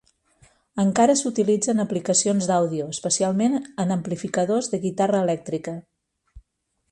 Encara s'utilitza en aplicacions d'àudio, especialment en amplificadors de guitarra elèctrica.